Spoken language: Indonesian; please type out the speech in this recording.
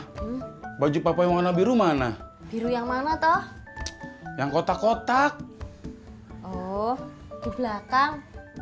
hai ma baju papai warna biru mana biru yang mana toh yang kotak kotak medium di belakang